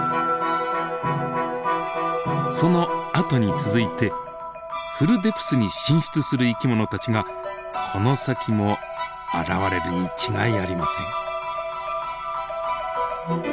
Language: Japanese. そのあとに続いてフルデプスに進出する生き物たちがこの先も現れるに違いありません。